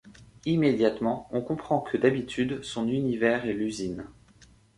Immédiatement, on comprend que d’habitude son univers est l’usine.